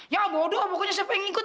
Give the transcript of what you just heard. ya bodoh pokoknya saya pengen ikut